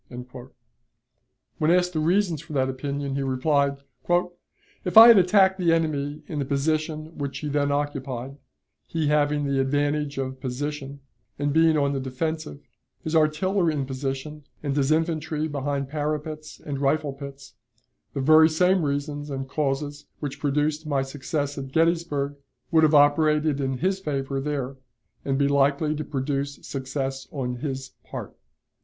When asked the reasons for that opinion, he replied: "If I had attacked the enemy in the position which he then occupied he having the advantage of position, and being on the defensive, his artillery in position, and his infantry behind parapets and rifle pits the very same reasons and causes which produced my success at Gettysburg would have operated in his favor there, and be likely to produce success on his part."